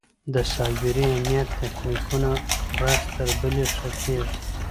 د سایبري امنیت تخنیکونه ورځ تر بلې ښه کېږي.